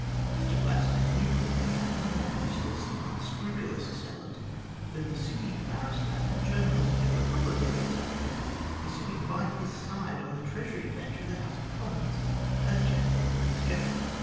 Mr Gladstone's new colony had no more merciless and unscrupulous assailant than the Sydney barrister and journalist who, a couple of decades afterwards, was sitting by his side on the Treasury Bench of the House of Commons as Chancellor of the Exchequer.